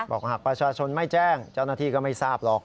หากประชาชนไม่แจ้งเจ้าหน้าที่ก็ไม่ทราบหรอก